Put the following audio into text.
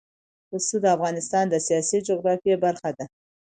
پسه د افغانستان د سیاسي جغرافیه برخه ده.